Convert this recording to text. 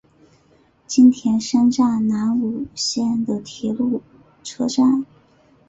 津田山站南武线的铁路车站。